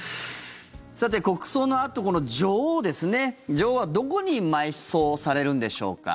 さて、国葬のあとこの女王ですね女王はどこに埋葬されるんでしょうか。